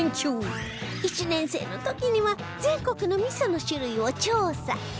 １年生の時には全国の味噌の種類を調査